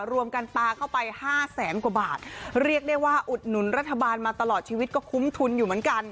รวมกันปลาเข้าไปห้าแสนกว่าบาทเรียกได้ว่าอุดหนุนรัฐบาลมาตลอดชีวิตก็คุ้มทุนอยู่เหมือนกัน